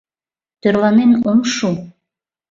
Тӧрланен ом шу.